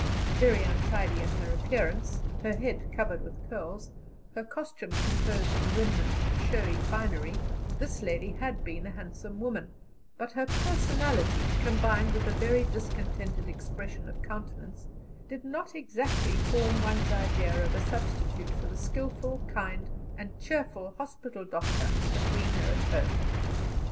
Very untidy in her appearance, her head covered with curls, her costume composed of the remnants of showy finery, this lady had been a handsome woman, but her personality, combined with a very discontented expression of countenance, did not exactly form one's idea of a substitute for the skilful, kind, and cheerful hospital doctor that we know at home.